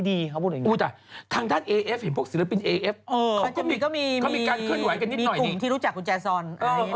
มีกลุ่มที่รู้จักคุณแจ้สอน